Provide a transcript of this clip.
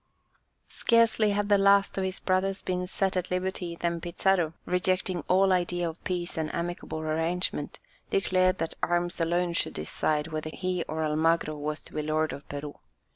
Scarcely had the last of his brothers been set at liberty than Pizarro, rejecting all idea of peace and amicable arrangement, declared that arms alone should decide whether he or Almagro was to be lord of Peru.